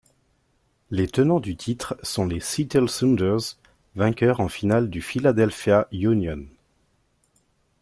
Les tenants du titre sont les Seattle Sounders, vainqueur en finale du Philadelphia Union.